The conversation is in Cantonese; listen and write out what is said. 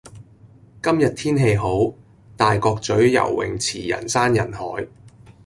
今日天氣好，大角咀游泳池人山人海。